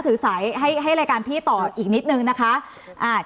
ถือสายให้ให้รายการพี่ต่ออีกนิดนึงนะคะ